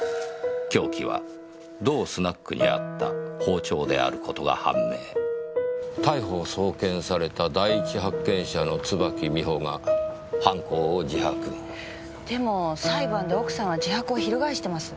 「凶器は同スナックにあった包丁である事が判明」「逮捕送検された第一発見者の椿美穂が犯行を自白」でも裁判で奥さんは自白を翻してます。